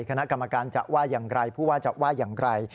คณะกรรมการจะว่าอย่างไรผู้ว่าจะว่าอย่างไร